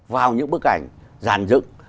vào những bức ảnh giàn dựng